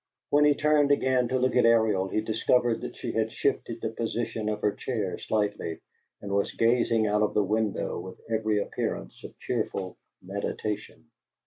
When he turned again to look at Ariel he discovered that she had shifted the position of her chair slightly, and was gazing out of the window with every appearance of cheerful meditation.